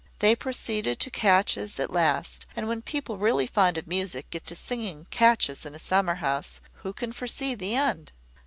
They proceeded to catches at last; and when people really fond of music get to singing catches in a summer house, who can foresee the end?